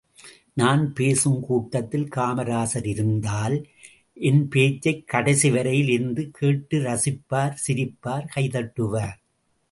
நான் பேசும் கூட்டத்தில் காமராசர் இருந்தால், என் பேச்சைக் கடைசி வரையில் இருந்து கேட்டுரசிப்பார், சிரிப்பார் கைதட்டுவார்.